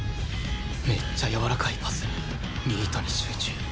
めっちゃやわらかいパスミートに集中